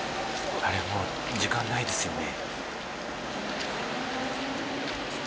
もう時間ないですよね。